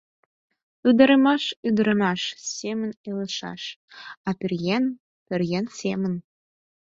Ӱдырамаш ӱдырамаш семын илышаш, а пӧръеҥ — пӧръеҥ семын.